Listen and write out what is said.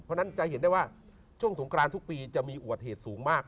เพราะฉะนั้นจะเห็นได้ว่าช่วงสงกรานทุกปีจะมีอุบัติเหตุสูงมาก